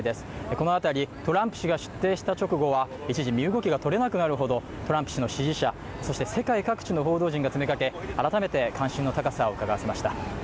この辺りトランプ氏が出廷した直後は一時身動きが取れなくなるほどトランプ氏の支持者そして世界各地の報道陣が詰めかけ、改めて関心の高さをうかがわせました。